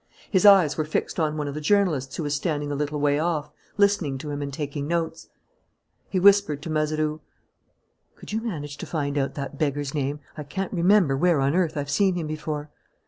His eyes were fixed on one of the journalists who was standing a little way off listening to him and taking notes. He whispered to Mazeroux: "Could you manage to find out that beggar's name? I can't remember where on earth I've seen him before."